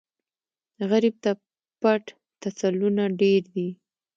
غریب ته پټ تسلونه ډېر دي